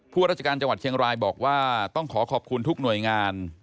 ราชการจังหวัดเชียงรายบอกว่าต้องขอขอบคุณทุกหน่วยงาน